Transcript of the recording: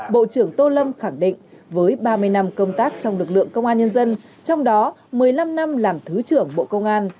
bộ trưởng tô lâm khẳng định với ba mươi năm công tác trong lực lượng công an nhân dân trong đó một mươi năm năm làm thứ trưởng bộ công an